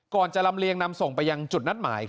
จะลำเลียงนำส่งไปยังจุดนัดหมาย